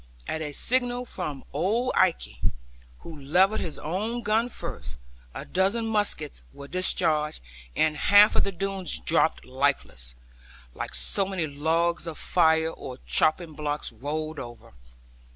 At a signal from old Ikey, who levelled his own gun first, a dozen muskets were discharged, and half of the Doones dropped lifeless, like so many logs of firewood, or chopping blocks rolled over.